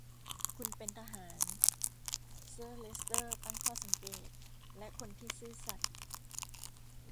คุณเป็นทหาร เซอร์เลสเตอร์ตั้งข้อสังเกต ‘’และคนที่ซื่อสัตย์’’